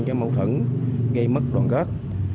cái mâu thuẫn gây mất đoàn gác